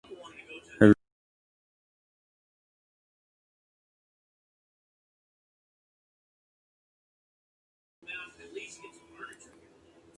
Her graduation work was about religious lesbians.